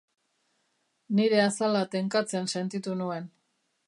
Nire azala tenkatzen sentitu nuen.